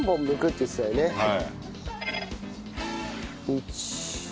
１。